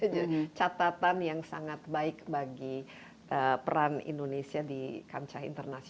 jadi catatan yang sangat baik bagi peran indonesia di ktt